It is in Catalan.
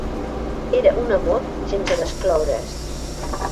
Era un amor sense descloure-s.